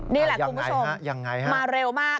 นี่แหละคุณผู้ชมมาเร็วมาก